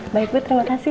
baik bu terima kasih